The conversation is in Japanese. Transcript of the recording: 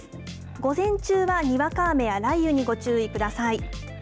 午前中はにわか雨や雷雨にご注意ください。